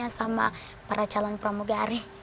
waktu non summennya sama para calon pramugari